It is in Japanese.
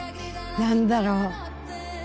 何だろう。